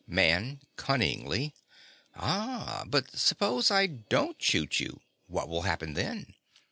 MAN. (cunningly). Ah; but suppose I don't shoot you, what will happen then?